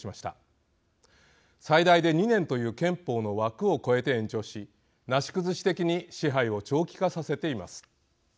最大で２年という憲法の枠を超えて延長しなし崩し的に支配を長期化させています。